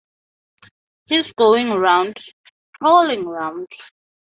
He's going round — prowling round.